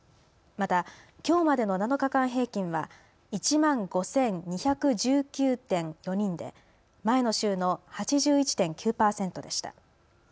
また、きょうまでの７日間平均は１万５２１９．４人で前の週の８１．９％でした。